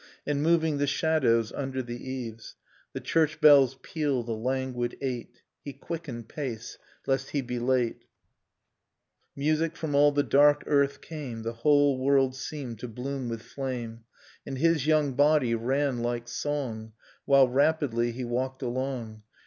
And moving the shadows under the eaves. The church bells pealed a languid eight: He quickened pace, lest he be late. Dust in Starlight Music from all the dark earth came. The whole world seemed to bloom with flame, And his young body ran like song While rapidly he walked along.